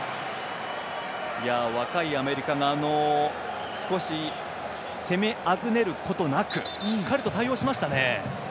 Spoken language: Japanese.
若いアメリカが攻めあぐねることなくしっかりと対応しましたね。